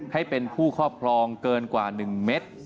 ให้เป็นผู้ครอบครองเกินกว่า๑เมตร